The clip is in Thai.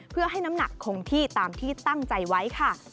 เพื่อให้น้ำหนักคงที่ตามที่ตั้งใจไว้ค่ะ